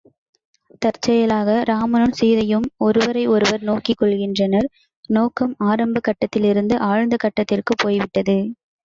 தற்செயலாக இராமனும் சீதையும் ஒருவரை ஒருவர் நோக்கிக் கொள்கின்றனர், நோக்கம் ஆரம்பக் கட்டத்திலிருந்து ஆழ்ந்த கட்டத்திற்குப் போய்விட்டது.